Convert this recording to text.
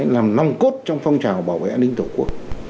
làm nòng cốt trong phong trào bảo vệ an ninh tổ quốc